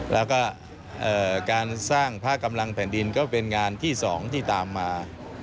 แล้วก็การสร้างพระกำลังแผ่นดินก็เป็นงานที่๒ที่ตามมา